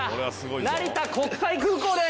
成田国際空港です！